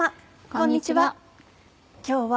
こんにちは。